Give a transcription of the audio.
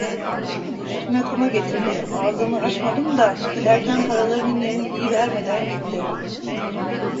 Üstüme kuma getirdi, ağzımı açmadım da, giderken paralarının yerini diyivermeden gitti…